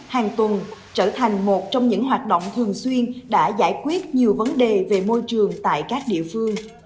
hàng tuần trở thành một trong những hoạt động thường xuyên đã giải quyết nhiều vấn đề về môi trường tại các địa phương